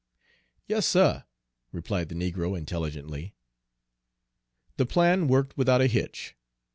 "Yes, suh," replied the negro intelligently. The plan worked without a hitch.